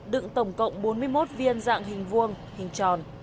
đựng tổng cộng bốn mươi một viên dạng hình vuông hình tròn